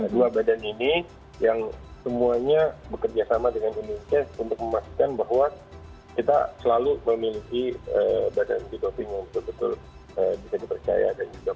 dua badan ini yang semuanya bekerja sama dengan indonesia untuk memastikan bahwa kita selalu memiliki badan anti doping yang betul betul bisa dipercaya